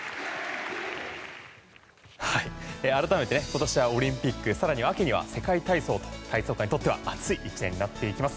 改めて今年はオリンピック更に秋には世界体操と体操界にとっては熱い１年になっていきます。